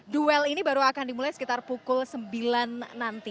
duel ini baru akan dimulai sekitar pukul sembilan nanti